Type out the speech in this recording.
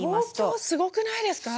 東京すごくないですか。